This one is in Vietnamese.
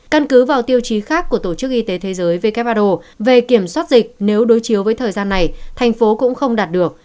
căn cứ vào tiêu chí khác của tổ chức y tế thế giới who về kiểm soát dịch nếu đối chiếu với thời gian này thành phố cũng không đạt được